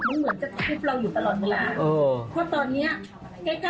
มันเหมือนแบบเราอยู่ตลอดเวลาเค้าตอนนี้ใกล้